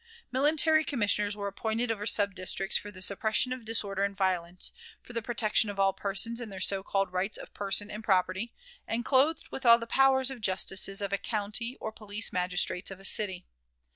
Military commissioners were appointed over sub districts for the suppression of disorder and violence, for the protection of all persons in their so called rights of person and property, and clothed with all the powers of justices of a county or police magistrates of a city.